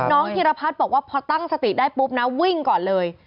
ธีรพัฒน์บอกว่าพอตั้งสติได้ปุ๊บนะวิ่งก่อนเลย